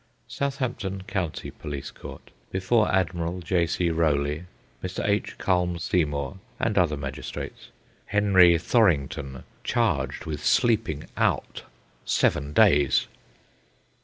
Southampton County Police Court. Before Admiral J. C. Rowley, Mr. H. H. Culme Seymour, and other magistrates. Henry Thorrington, charged with sleeping out. Seven days.